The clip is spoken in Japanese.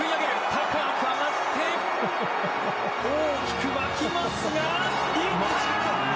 高く上がって大きく沸きますが行った！